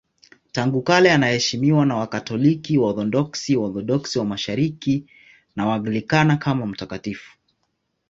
Tangu kale anaheshimiwa na Wakatoliki, Waorthodoksi, Waorthodoksi wa Mashariki na Waanglikana kama mtakatifu.